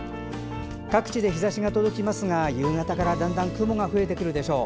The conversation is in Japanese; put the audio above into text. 各地で日ざしが届きますが夕方からはだんだん雲が増えてくるでしょう。